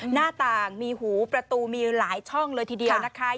หน้าต่างมีหูประตูมีหลายช่องเลยทีเดียวนะคะ